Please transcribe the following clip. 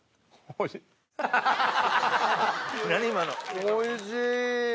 おいしい。